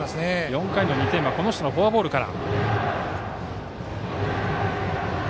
４回の２点は黒岩のフォアボールから。